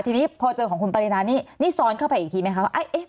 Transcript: ทีนี้พอเจอของคุณปรินานี่นี่ซ้อนเข้าไปอีกทีไหมคะว่า